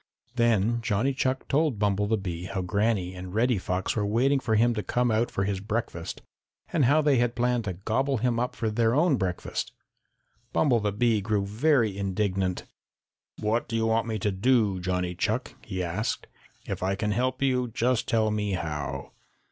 Then Johnny Chuck told Bumble the Bee how Granny and Reddy Fox were waiting for him to come out for his breakfast and how they had planned to gobble him up for their own breakfast. Bumble the Bee grew very indignant. "What do you want me to do, Johnny Chuck?" he asked. "If I can help you, just tell me how."